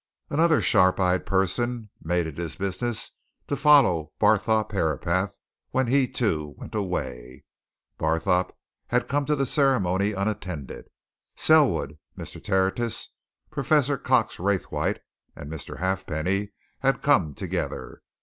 Another sharp eyed person made it his business to follow Barthorpe Herapath when he, too, went away. Barthorpe had come to the ceremony unattended. Selwood, Mr. Tertius, Professor Cox Raythwaite, and Mr. Halfpenny had come together.